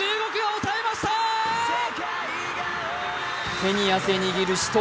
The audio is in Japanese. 手に汗握る死闘。